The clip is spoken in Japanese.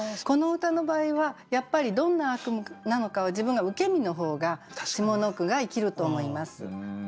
この歌の場合はやっぱりどんな悪夢なのかを自分が受け身の方が下の句が生きると思います。